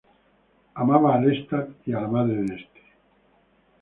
El amaba a Lestat y a la madre de este.